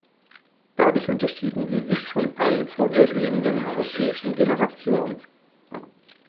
Dadurch unterschieden sie sich von allen vorhergehenden europäischen Generationen.